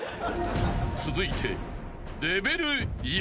［続いて］